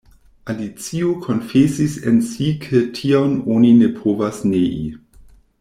Alicio konfesis en si ke tion oni ne povas nei.